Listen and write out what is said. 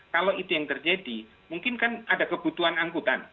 kalau itu yang terjadi mungkin kan ada kebutuhan angkutan